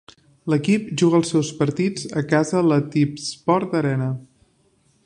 L'equip juga els seus partits a casa a la Tipsport Arena.